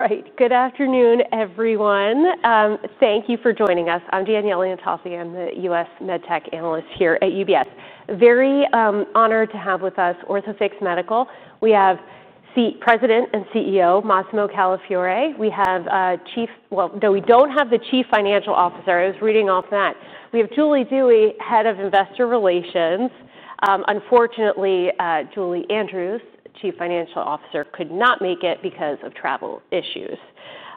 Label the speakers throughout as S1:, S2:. S1: Right. Good afternoon, everyone. Thank you for joining us. I'm Danielle Leontofsky. I'm the U.S. MedTech analyst here at UBS. Very honored to have with us Orthofix Medical. We have President and CEO Massimo Calafiore. We have well, no, we don't have the Chief Financial Officer. I was reading off that. We have Julie Dewey, Head of Investor Relations. Unfortunately, Julie Andrews, Chief Financial Officer, could not make it because of travel issues.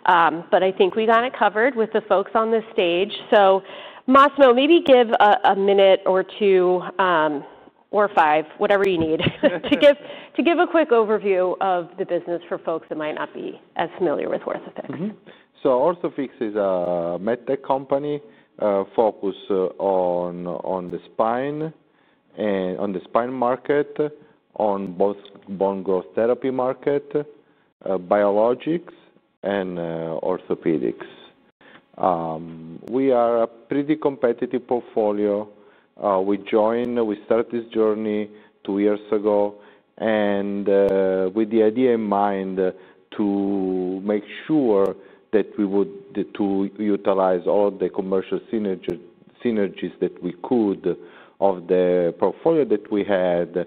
S1: I think we got it covered with the folks on this stage. Massimo, maybe give a minute or two, or five, whatever you need, to give a quick overview of the business for folks that might not be as familiar with Orthofix.
S2: Orthofix is a MedTech company focused on the spine market, on both bone growth therapy market, biologics, and orthopedics. We are a pretty competitive portfolio. We started this journey two years ago with the idea in mind to make sure that we would utilize all the commercial synergies that we could of the portfolio that we had,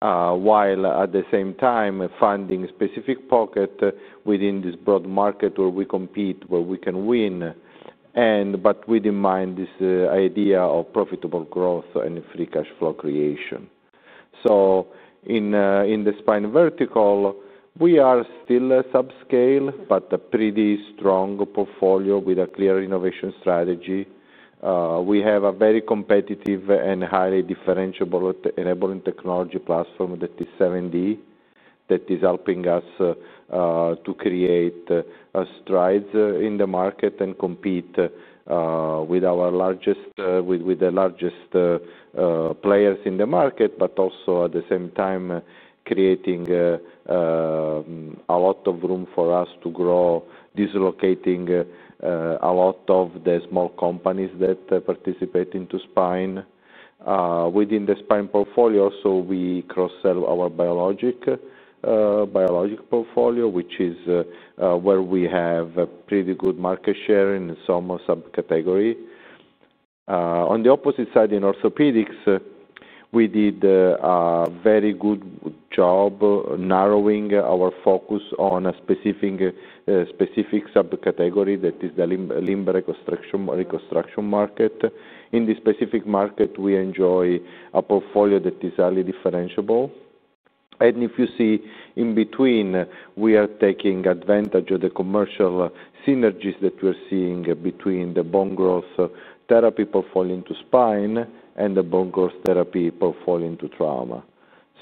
S2: while at the same time funding specific pockets within this broad market where we compete, where we can win, but with in mind this idea of profitable growth and free cash flow creation. In the spine vertical, we are still subscale, but a pretty strong portfolio with a clear innovation strategy. We have a very competitive and highly differentiable enabling technology platform that is 7D, that is helping us to create strides in the market and compete with the largest players in the market, but also at the same time creating a lot of room for us to grow, dislocating a lot of the small companies that participate in the spine. Within the spine portfolio, we cross-sell our biologics portfolio, which is where we have pretty good market share in some subcategories. On the opposite side, in orthopedics, we did a very good job narrowing our focus on a specific subcategory that is the limb reconstruction market. In this specific market, we enjoy a portfolio that is highly differentiable. If you see in between, we are taking advantage of the commercial synergies that we're seeing between the bone growth therapy portfolio into spine and the bone growth therapy portfolio into trauma.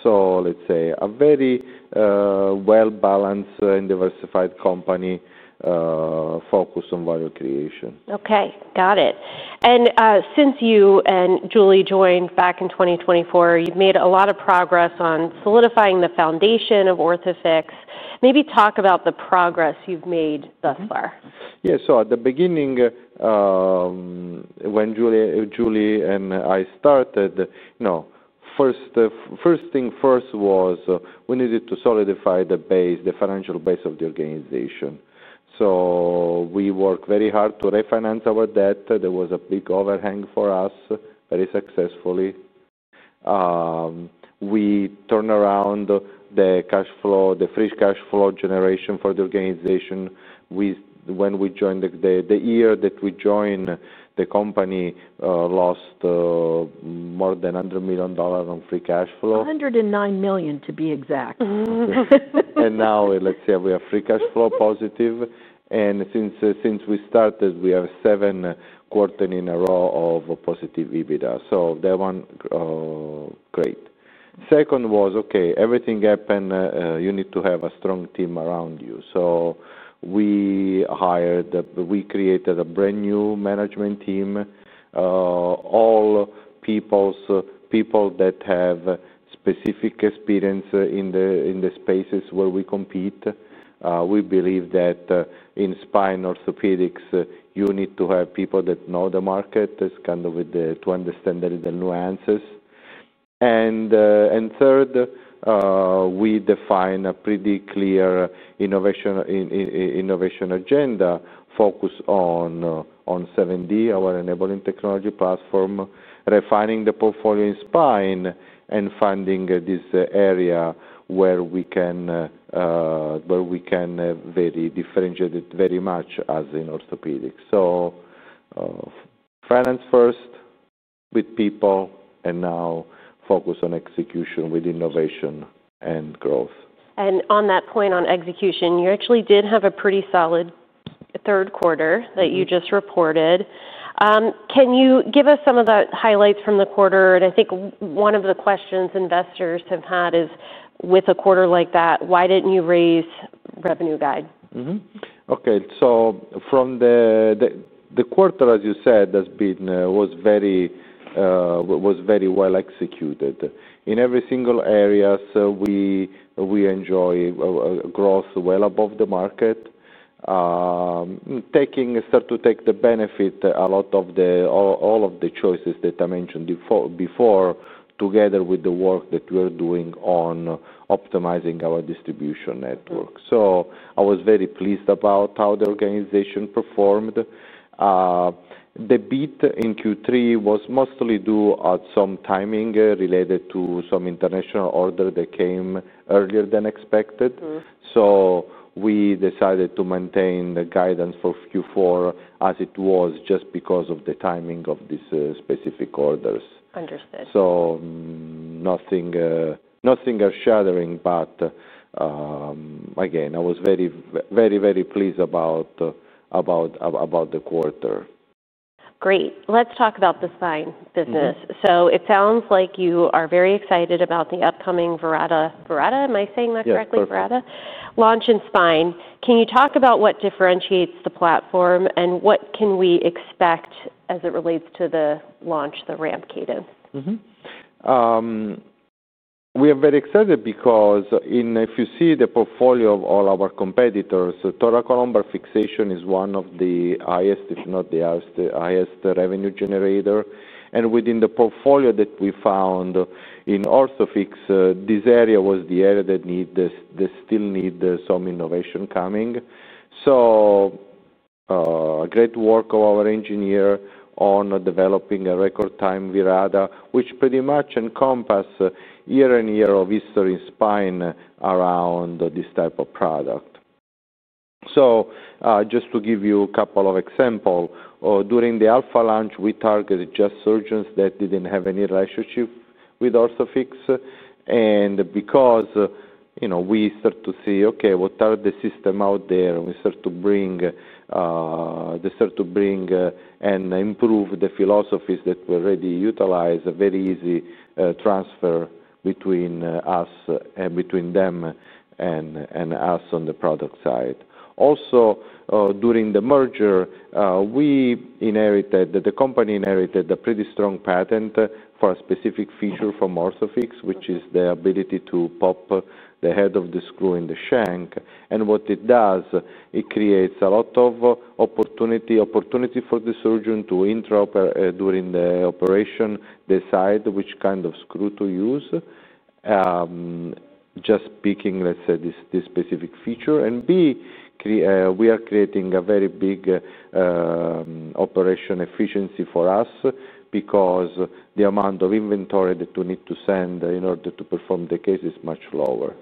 S2: Let's say a very well-balanced and diversified company focused on value creation.
S1: Okay. Got it. Since you and Julie joined back in 2024, you've made a lot of progress on solidifying the foundation of Orthofix. Maybe talk about the progress you've made thus far.
S2: Yeah. At the beginning, when Julie and I started, first thing first was we needed to solidify the base, the financial base of the organization. We worked very hard to refinance our debt. There was a big overhang for us, very successfully. We turned around the free cash flow generation for the organization. When we joined the year that we joined the company, we lost more than $100 million on free cash flow.
S1: $109 million, to be exact.
S2: Now, let's say we have free cash flow positive. Since we started, we have seven quarters in a row of positive EBITDA. That one, great. Second was, okay, everything happened, you need to have a strong team around you. We hired. We created a brand new management team, all people that have specific experience in the spaces where we compete. We believe that in spine orthopedics, you need to have people that know the market, kind of to understand the nuances. Third, we defined a pretty clear innovation agenda focused on 7D, our enabling technology platform, refining the portfolio in spine, and funding this area where we can differentiate it very much as in orthopedics. Finance first with people, and now focus on execution with innovation and growth.
S1: On that point on execution, you actually did have a pretty solid third quarter that you just reported. Can you give us some of the highlights from the quarter? I think one of the questions investors have had is, with a quarter like that, why did you not raise revenue guide?
S2: Okay. From the quarter, as you said, was very well executed. In every single area, we enjoy growth well above the market, starting to take the benefit of all of the choices that I mentioned before, together with the work that we're doing on optimizing our distribution network. I was very pleased about how the organization performed. The beat in Q3 was mostly due to some timing related to some international order that came earlier than expected. We decided to maintain the guidance for Q4 as it was just because of the timing of these specific orders.
S1: Understood.
S2: Nothing earth-shattering, but again, I was very, very pleased about the quarter.
S1: Great. Let's talk about the spine business. It sounds like you are very excited about the upcoming Vertabra—Vertabra, am I saying that correctly?
S2: Yes, Verada.
S1: Vertabra? Launch in spine. Can you talk about what differentiates the platform and what can we expect as it relates to the launch, the ramp cadence?
S2: We are very excited because if you see the portfolio of all our competitors, thoracolumbar fixation is one of the highest, if not the highest, revenue generator. Within the portfolio that we found in Orthofix, this area was the area that still needed some innovation coming. Great work of our engineer on developing a record-time Vertabra, which pretty much encompasses year-on-year of history in spine around this type of product. Just to give you a couple of examples, during the Alpha launch, we targeted just surgeons that did not have any relationship with Orthofix. We start to see, okay, what are the systems out there? We start to bring and improve the philosophies that we already utilize, a very easy transfer between us and between them and us on the product side. Also, during the merger, the company inherited a pretty strong patent for a specific feature from Orthofix, which is the ability to pop the head of the screw in the shank. What it does, it creates a lot of opportunity for the surgeon to interoperate during the operation, decide which kind of screw to use, just picking, let's say, this specific feature. B, we are creating a very big operational efficiency for us because the amount of inventory that we need to send in order to perform the case is much lower.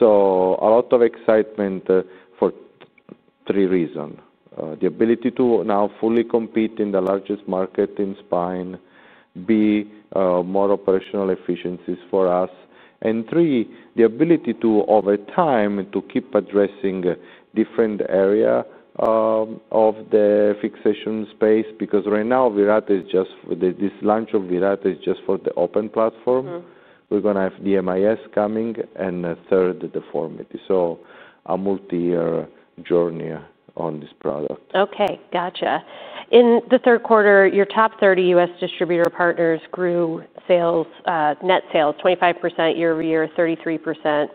S2: A lot of excitement for three reasons: the ability to now fully compete in the largest market in spine, B, more operational efficiencies for us, and three, the ability to, over time, keep addressing different areas of the fixation space because right now, this launch of Vertabra is just for the open platform. We're going to have DMIS coming and third, deformity. So a multi-year journey on this product.
S1: Okay. Gotcha. In the third quarter, your top 30 U.S. distributor partners grew net sales 25% year-over-year, 33%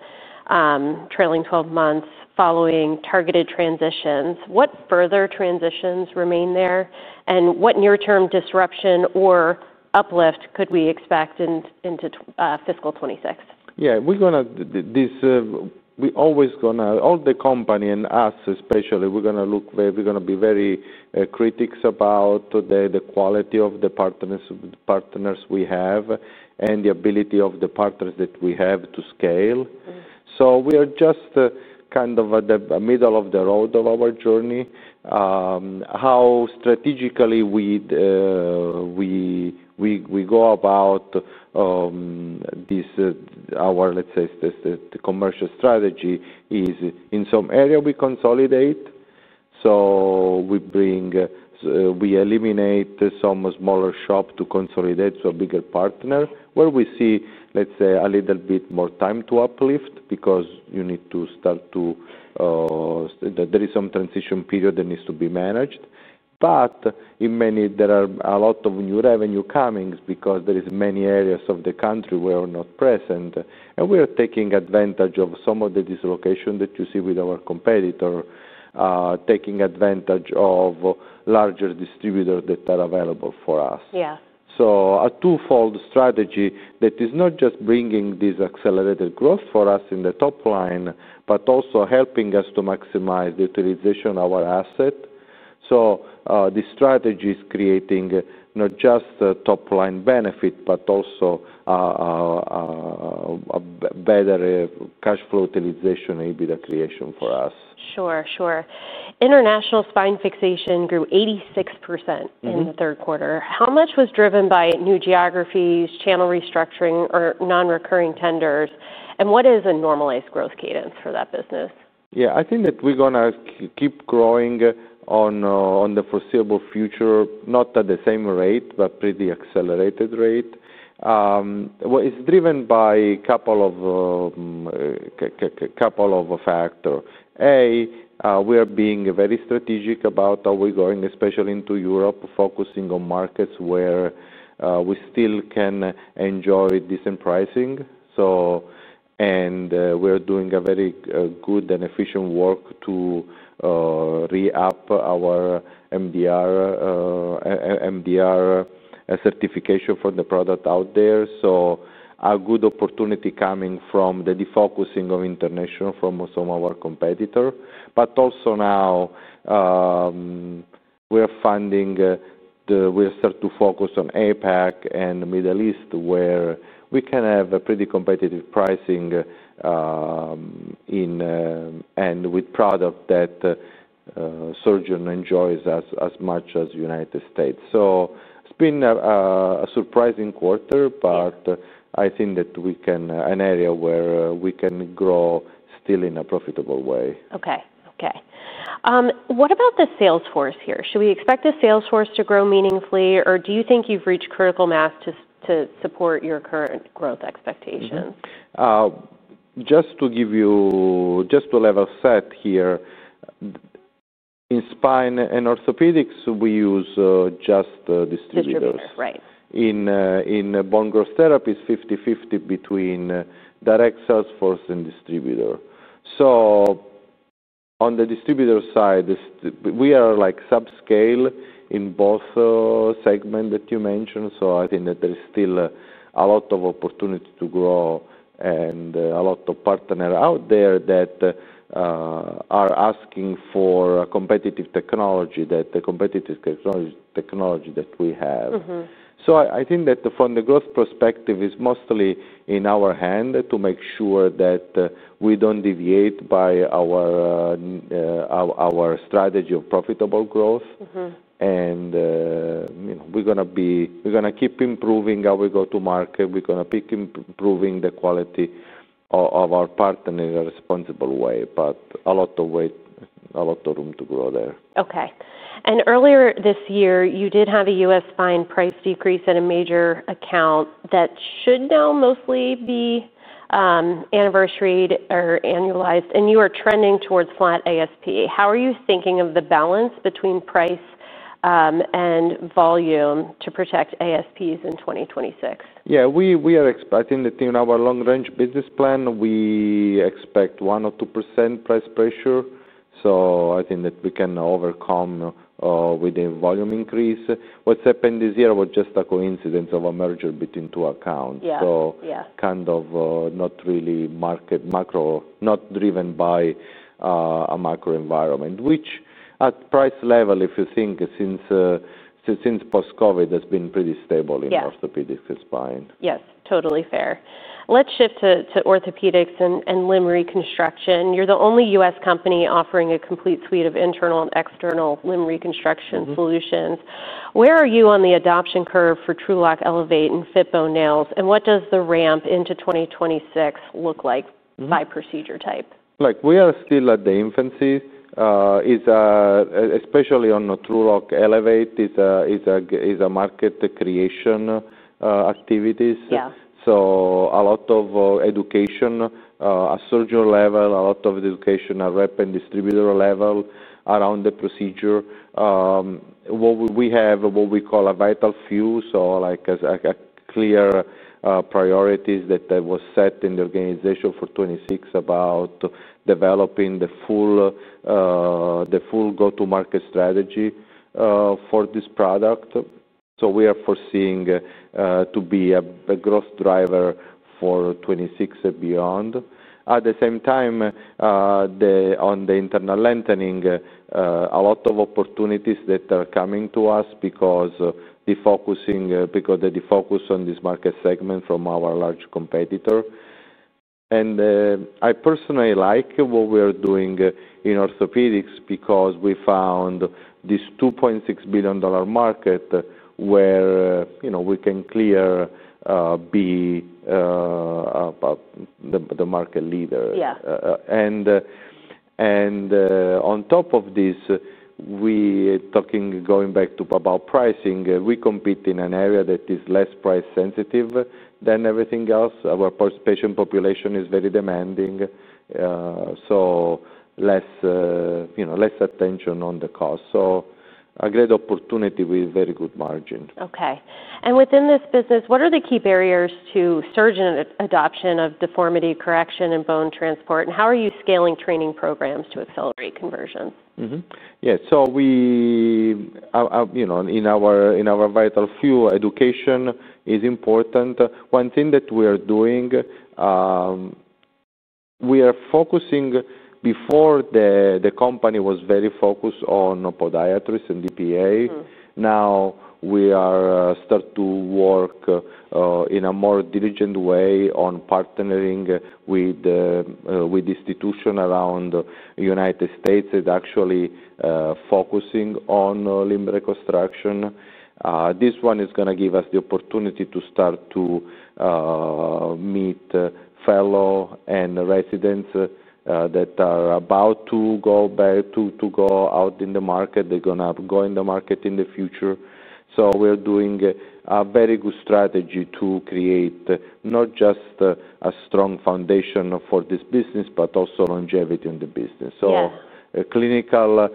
S1: trailing 12 months following targeted transitions. What further transitions remain there? What near-term disruption or uplift could we expect into fiscal 2026?
S2: Yeah. We're going to—we're always going to—all the company and us especially, we're going to look—we're going to be very critical about the quality of the partners we have and the ability of the partners that we have to scale. We are just kind of at the middle of the road of our journey. How strategically we go about our, let's say, commercial strategy is in some areas we consolidate. We bring—we eliminate some smaller shops to consolidate to a bigger partner where we see, let's say, a little bit more time to uplift because you need to start to—there is some transition period that needs to be managed. There are a lot of new revenue coming because there are many areas of the country where we're not present. We are taking advantage of some of the dislocation that you see with our competitor, taking advantage of larger distributors that are available for us. A twofold strategy that is not just bringing this accelerated growth for us in the top line, but also helping us to maximize the utilization of our asset. The strategy is creating not just top-line benefit, but also better cash flow utilization and EBITDA creation for us.
S1: Sure. Sure. International spine fixation grew 86% in the third quarter. How much was driven by new geographies, channel restructuring, or non-recurring tenders? What is a normalized growth cadence for that business?
S2: Yeah. I think that we're going to keep growing in the foreseeable future, not at the same rate, but pretty accelerated rate. It's driven by a couple of factors. A, we are being very strategic about how we're going, especially into Europe, focusing on markets where we still can enjoy decent pricing. And we're doing very good and efficient work to re-up our MDR certification for the product out there. A good opportunity is coming from the defocusing of international from some of our competitors. Also now, we are starting to focus on APAC and the Middle East, where we can have pretty competitive pricing and with product that surgeons enjoy as much as the United States. It's been a surprising quarter, but I think that we can—an area where we can grow still in a profitable way.
S1: Okay. Okay. What about the sales force here? Should we expect the sales force to grow meaningfully, or do you think you've reached critical mass to support your current growth expectations?
S2: Just to give you—just to level set here, in spine and orthopedics, we use just distributors.
S1: Distributors, right.
S2: In bone growth therapies, 50/50 between direct sales force and distributor. On the distributor side, we are subscale in both segments that you mentioned. I think that there is still a lot of opportunity to grow and a lot of partners out there that are asking for competitive technology, that competitive technology that we have. I think that from the growth perspective, it's mostly in our hand to make sure that we do not deviate by our strategy of profitable growth. We are going to keep improving how we go to market. We are going to keep improving the quality of our partners in a responsible way, but a lot of room to grow there.
S1: Okay. Earlier this year, you did have a U.S. spine price decrease at a major account that should now mostly be anniversary or annualized, and you are trending towards flat ASP. How are you thinking of the balance between price and volume to protect ASPs in 2026?
S2: Yeah. We are expecting that in our long-range business plan, we expect 1-2% price pressure. I think that we can overcome with the volume increase. What's happened this year was just a coincidence of a merger between two accounts. Kind of not really market macro, not driven by a macro environment, which at price level, if you think since post-COVID, has been pretty stable in orthopedics and spine.
S1: Yes. Totally fair. Let's shift to orthopedics and limb reconstruction. You're the only U.S. company offering a complete suite of internal and external limb reconstruction solutions. Where are you on the adoption curve for TruLock Elevate and Fitbone Nails? What does the ramp into 2026 look like by procedure type?
S2: We are still at the infancy, especially on TruLock Elevate. It is a market creation activity. A lot of education at surgeon level, a lot of education at rep and distributor level around the procedure. We have what we call a vital few, so clear priorities that were set in the organization for 2026 about developing the full go-to-market strategy for this product. We are foreseeing it to be a growth driver for 2026 and beyond. At the same time, on the internal lengthening, a lot of opportunities that are coming to us because the focus on this market segment from our large competitor. I personally like what we are doing in orthopedics because we found this $2.6 billion market where we can clearly be the market leader. On top of this, going back to about pricing, we compete in an area that is less price-sensitive than everything else. Our patient population is very demanding, so less attention on the cost. A great opportunity with very good margin.
S1: Okay. Within this business, what are the key barriers to surgeon adoption of deformity correction and bone transport? How are you scaling training programs to accelerate conversion?
S2: Yeah. So in our vital few, education is important. One thing that we are doing, we are focusing before the company was very focused on podiatrists and EPA. Now we are starting to work in a more diligent way on partnering with institutions around the United States that are actually focusing on limb reconstruction. This one is going to give us the opportunity to start to meet fellows and residents that are about to go out in the market. They're going to go in the market in the future. We are doing a very good strategy to create not just a strong foundation for this business, but also longevity in the business. Clinical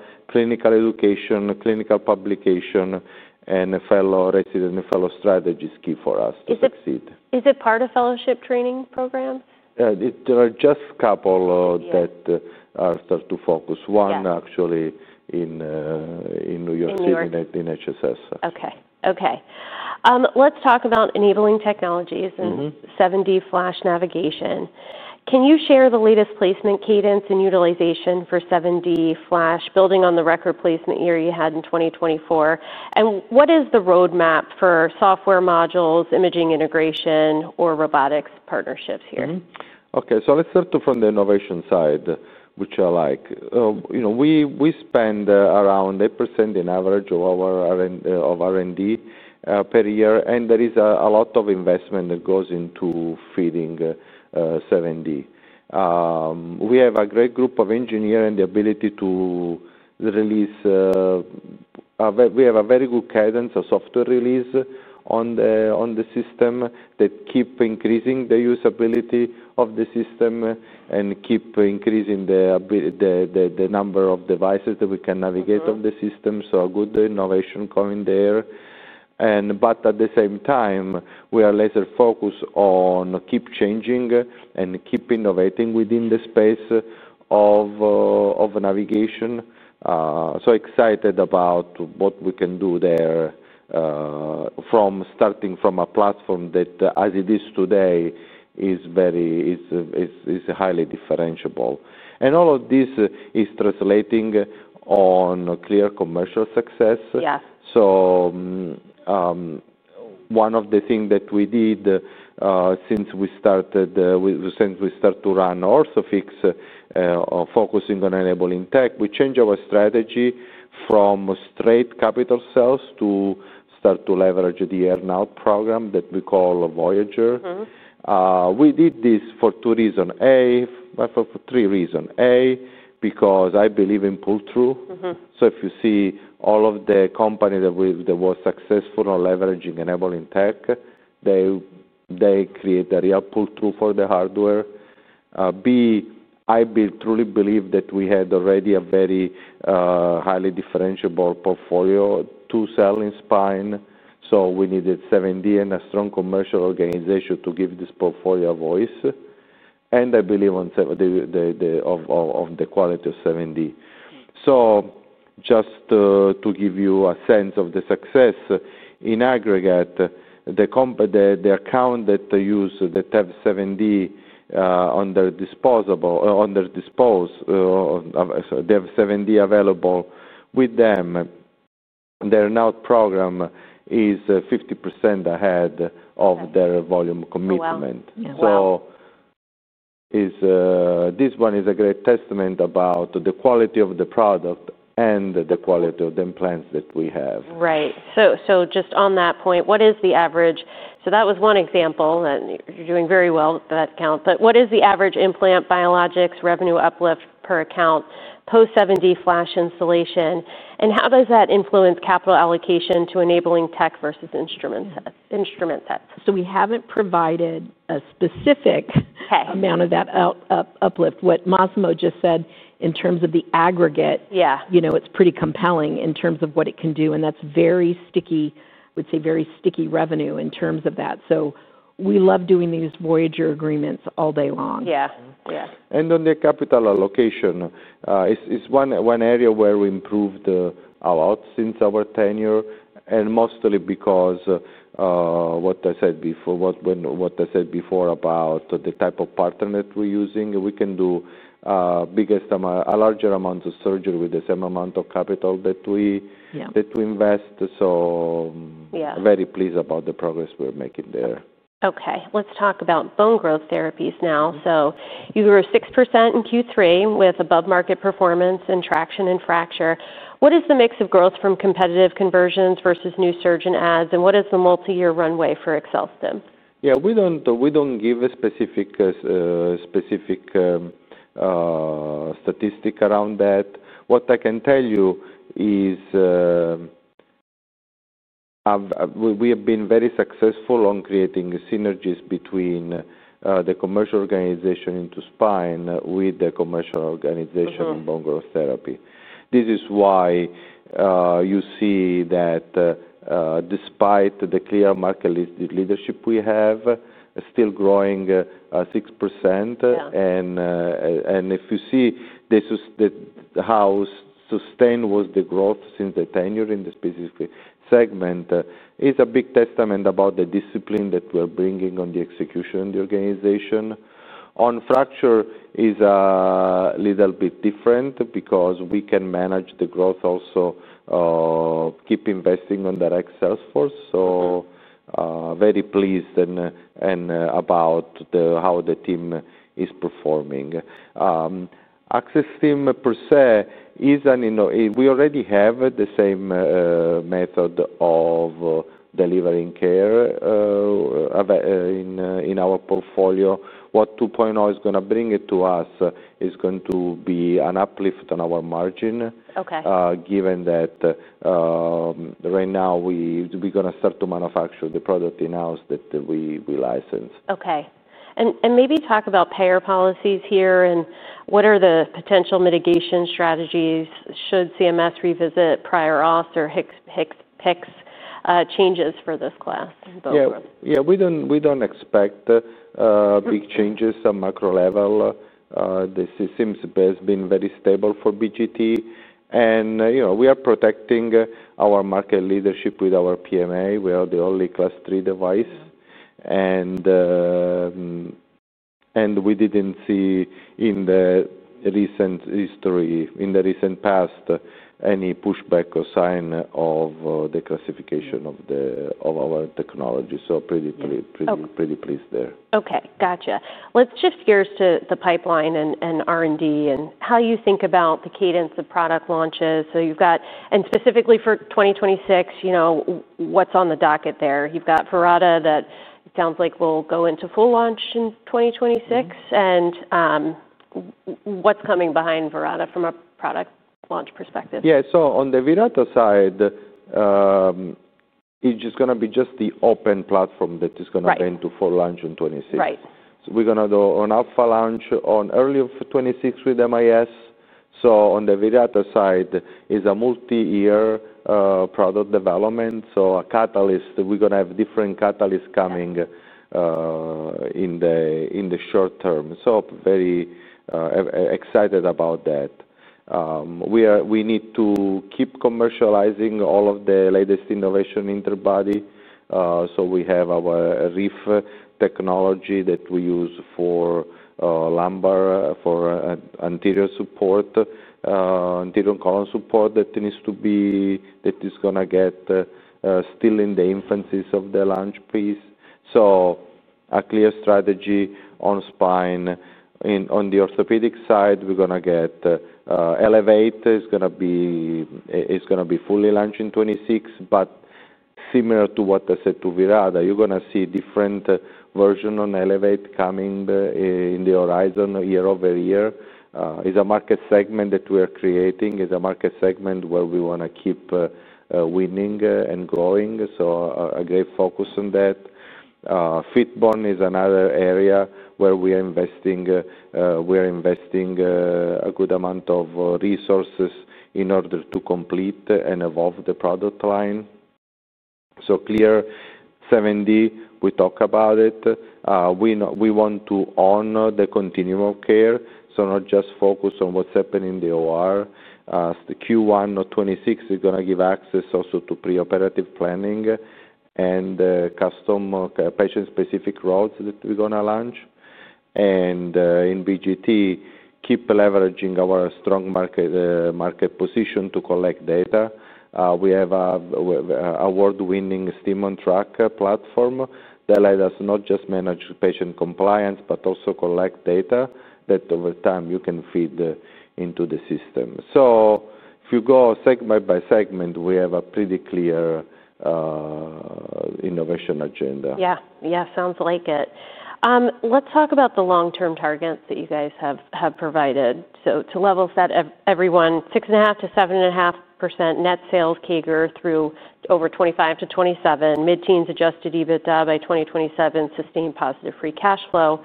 S2: education, clinical publication, and fellow, resident, and fellow strategy is key for us to succeed.
S1: Is it part of fellowship training programs?
S2: There are just a couple that are starting to focus. One actually in New York City in HSS.
S1: Okay. Okay. Let's talk about enabling technologies and 7D Flash navigation. Can you share the latest placement cadence and utilization for 7D Flash, building on the record placement year you had in 2024? What is the roadmap for software modules, imaging integration, or robotics partnerships here?
S2: Okay. So let's start from the innovation side, which I like. We spend around 8% in average of R&D per year, and there is a lot of investment that goes into feeding 7D. We have a great group of engineers and the ability to release—we have a very good cadence of software release on the system that keeps increasing the usability of the system and keeps increasing the number of devices that we can navigate on the system. So a good innovation coming there. At the same time, we are laser-focused on keeping changing and keeping innovating within the space of navigation. Excited about what we can do there from starting from a platform that, as it is today, is highly differentiable. All of this is translating on clear commercial success. One of the things that we did since we started to run Orthofix, focusing on enabling tech, we changed our strategy from straight capital sales to start to leverage the earn-out program that we call Voyager. We did this for three reasons. A, because I believe in pull-through. If you see all of the companies that were successful on leveraging enabling tech, they create a real pull-through for the hardware. B, I truly believe that we had already a very highly differentiable portfolio to sell in spine. We needed 7D and a strong commercial organization to give this portfolio a voice. I believe in the quality of 7D. Just to give you a sense of the success in aggregate, the accounts that use, that have 7D at their disposal, they have 7D available with them. Their earn-out program is 50% ahead of their volume commitment. This one is a great testament about the quality of the product and the quality of the implants that we have.
S1: Right. Just on that point, what is the average? That was one example, and you're doing very well with that account. What is the average implant biologics revenue uplift per account post-7D Flash installation? How does that influence capital allocation to enabling tech versus instrument sets?
S3: We have not provided a specific amount of that uplift. What Massimo just said in terms of the aggregate, it is pretty compelling in terms of what it can do. That is very sticky, I would say very sticky revenue in terms of that. We love doing these Voyager agreements all day long.
S1: Yeah. Yeah.
S2: On the capital allocation, it's one area where we improved a lot since our tenure. Mostly because what I said before about the type of partner that we're using, we can do a larger amount of surgery with the same amount of capital that we invest. Very pleased about the progress we're making there.
S1: Okay. Let's talk about bone growth therapies now. You were 6% in Q3 with above-market performance and traction in fracture. What is the mix of growth from competitive conversions versus new surgeon adds? What is the multi-year runway for ExcelStim?
S2: Yeah. We do not give a specific statistic around that. What I can tell you is we have been very successful on creating synergies between the commercial organization into spine with the commercial organization in bone growth therapy. This is why you see that despite the clear market leadership we have, still growing 6%. And if you see how sustained was the growth since the tenure in the specific segment, it is a big testament about the discipline that we are bringing on the execution of the organization. On fracture, it is a little bit different because we can manage the growth also, keep investing on direct sales force. So very pleased about how the team is performing. Access Team per se is an. We already have the same method of delivering care in our portfolio. What 2.0 is going to bring to us is going to be an uplift on our margin, given that right now we're going to start to manufacture the product in-house that we license.
S1: Okay. Maybe talk about payer policies here and what are the potential mitigation strategies should CMS revisit prior auths or HCPCS changes for this class in both groups?
S2: Yeah. Yeah. We do not expect big changes on macro level. The system has been very stable for BGT. And we are protecting our market leadership with our PMA. We are the only class three device. And we did not see in the recent history, in the recent past, any pushback or sign of the classification of our technology. So pretty pleased there.
S1: Okay. Gotcha. Let's shift gears to the pipeline and R&D and how you think about the cadence of product launches. Specifically for 2026, what's on the docket there? You've got Vertabra that sounds like will go into full launch in 2026. What's coming behind Vertabra from a product launch perspective?
S2: Yeah. On the Vertabra side, it's just going to be just the open platform that is going to go into full launch in 2026. We're going to go on Alpha Launch early in 2026 with MIS. On the Vertabra side, it's a multi-year product development. A catalyst, we're going to have different catalysts coming in the short term. Very excited about that. We need to keep commercializing all of the latest innovation interbody. We have our Reef technology that we use for lumbar for anterior support, anterior column support that needs to be, that is going to get, still in the infancies of the launch piece. A clear strategy on spine. On the orthopedic side, we're going to get Elevate. It's going to be fully launched in 2026, but similar to what I said to Vertabra, you're going to see different versions on Elevate coming in the horizon year over year. It's a market segment that we are creating. It's a market segment where we want to keep winning and growing. A great focus on that. Fitbone is another area where we are investing a good amount of resources in order to complete and evolve the product line. Clear 7D, we talk about it. We want to own the continuum of care. Not just focus on what's happening in the OR. Q1 of 2026 is going to give access also to pre-operative planning and custom patient-specific roles that we're going to launch. In BGT, keep leveraging our strong market position to collect data. We have award-winning Steam on Track platform that lets us not just manage patient compliance, but also collect data that over time you can feed into the system. If you go segment by segment, we have a pretty clear innovation agenda.
S1: Yeah. Yeah. Sounds like it. Let's talk about the long-term targets that you guys have provided. To level set everyone, 6.5-7.5% net sales CAGR through over 2025 to 2027. Mid-teens adjusted EBITDA by 2027, sustained positive free cash flow.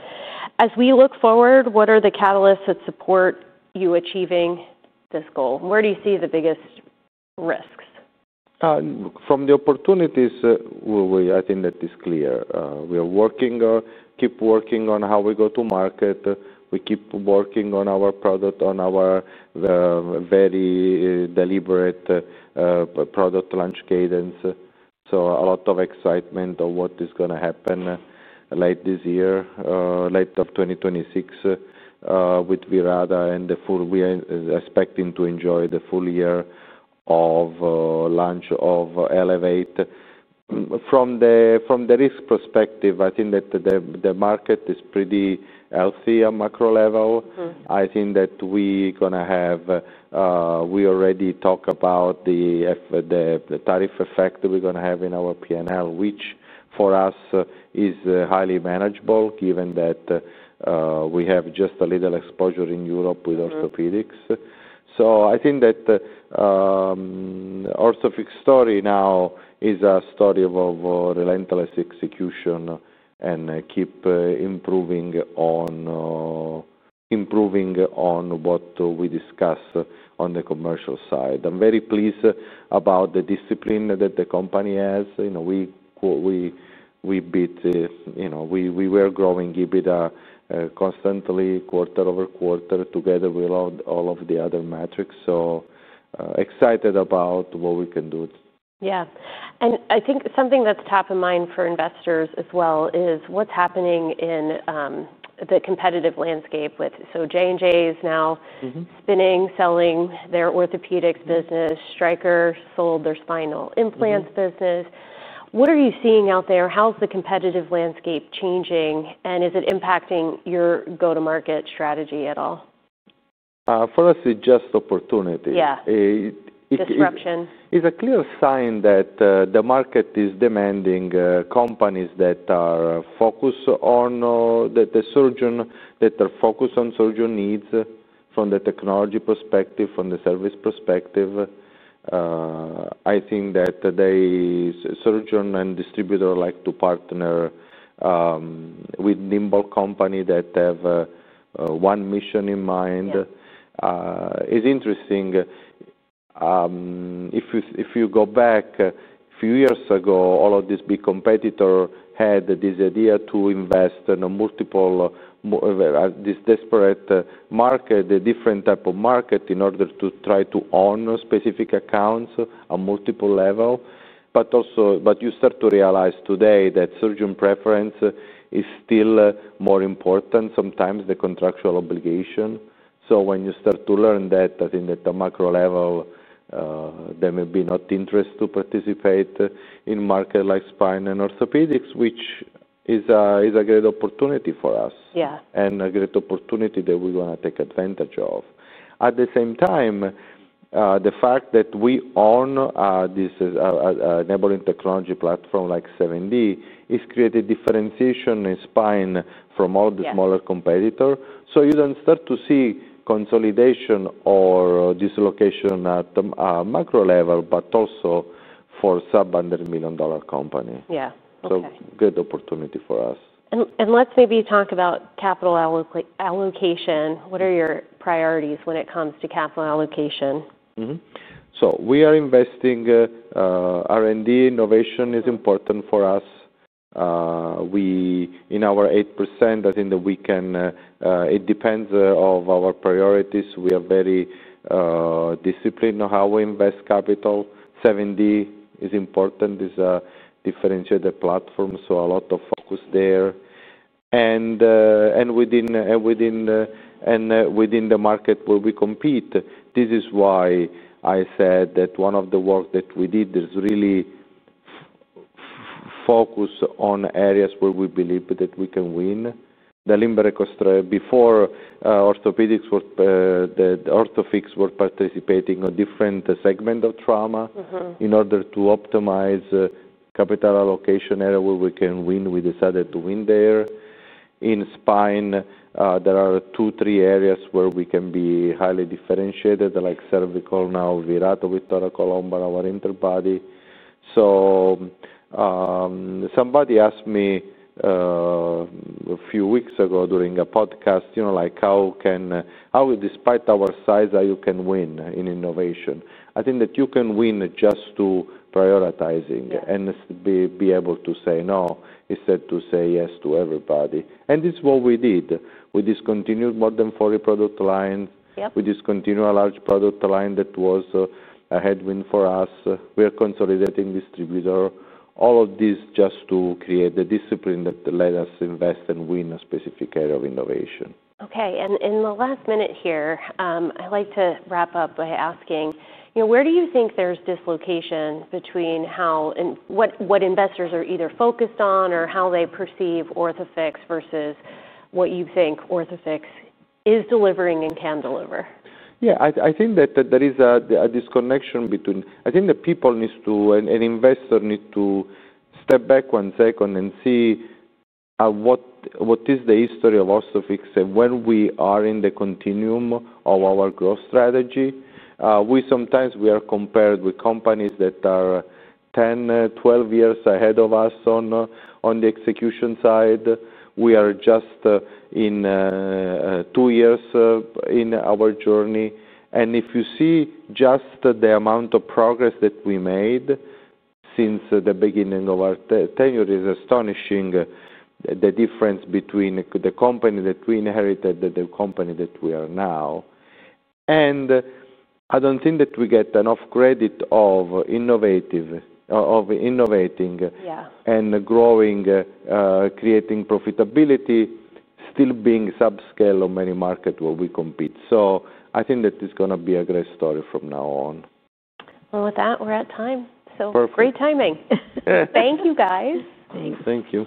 S1: As we look forward, what are the catalysts that support you achieving this goal? Where do you see the biggest risks?
S2: From the opportunities, I think that is clear. We are working, keep working on how we go to market. We keep working on our product, on our very deliberate product launch cadence. A lot of excitement of what is going to happen late this year, late of 2026 with Vertabra and we are expecting to enjoy the full year of launch of Elevate. From the risk perspective, I think that the market is pretty healthy on macro level. I think that we're going to have, we already talked about the tariff effect that we're going to have in our P&L, which for us is highly manageable given that we have just a little exposure in Europe with orthopedics. I think that Orthofix story now is a story of relentless execution and keep improving on what we discussed on the commercial side. I'm very pleased about the discipline that the company has. We beat, we were growing EBITDA constantly, quarter over quarter, together with all of the other metrics. Excited about what we can do.
S1: Yeah. I think something that's top of mind for investors as well is what's happening in the competitive landscape with, so Johnson & Johnson is now spinning, selling their orthopedics business. Stryker sold their spinal implants business. What are you seeing out there? How's the competitive landscape changing? Is it impacting your go-to-market strategy at all?
S2: For us, it's just opportunity.
S1: Disruption.
S2: It's a clear sign that the market is demanding companies that are focused on the surgeon, that are focused on surgeon needs from the technology perspective, from the service perspective. I think that the surgeon and distributor like to partner with nimble companies that have one mission in mind. It's interesting. If you go back a few years ago, all of these big competitors had this idea to invest in a multiple, this desperate market, a different type of market in order to try to own specific accounts on multiple levels. You start to realize today that surgeon preference is still more important, sometimes, than the contractual obligation. When you start to learn that, I think that on macro level, there may be not interest to participate in market like spine and orthopedics, which is a great opportunity for us and a great opportunity that we're going to take advantage of. At the same time, the fact that we own this enabling technology platform like 7D is creating differentiation in spine from all the smaller competitors. You do not start to see consolidation or dislocation at macro level, but also for sub-under million dollar company. Good opportunity for us.
S1: Let's maybe talk about capital allocation. What are your priorities when it comes to capital allocation?
S2: We are investing. R&D innovation is important for us. In our 8%, I think that we can, it depends on our priorities. We are very disciplined on how we invest capital. 7D is important. It's a differentiated platform, so a lot of focus there. Within the market where we compete, this is why I said that one of the works that we did is really focus on areas where we believe that we can win. The limb reconstruction before, Orthopedics, where Orthofix was participating on different segments of trauma in order to optimize capital allocation, area where we can win, we decided to win there. In spine, there are two, three areas where we can be highly differentiated, like cervical, now Vertabra with thoracolumbar interbody. Somebody asked me a few weeks ago during a podcast, how can, despite our size, how you can win in innovation. I think that you can win just through prioritizing and be able to say no instead to say yes to everybody. This is what we did. We discontinued more than 40 product lines. We discontinued a large product line that was a headwind for us. We are consolidating distributor. All of this just to create the discipline that led us to invest and win a specific area of innovation.
S1: Okay. In the last minute here, I'd like to wrap up by asking, where do you think there's dislocation between what investors are either focused on or how they perceive Orthofix versus what you think Orthofix is delivering and can deliver?
S2: Yeah. I think that there is a disconnection between, I think that people need to, and investors need to step back one second and see what is the history of Orthofix and where we are in the continuum of our growth strategy. Sometimes we are compared with companies that are 10, 12 years ahead of us on the execution side. We are just in two years in our journey. If you see just the amount of progress that we made since the beginning of our tenure, it's astonishing. The difference between the company that we inherited and the company that we are now. I don't think that we get enough credit of innovating and growing, creating profitability, still being subscale on many markets where we compete. I think that it's going to be a great story from now on.
S1: With that, we're at time. So, free timing. Thank you, guys.
S3: Thank you.